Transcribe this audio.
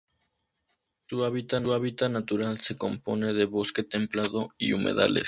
Su hábitat natural se compone de bosque templado y humedales.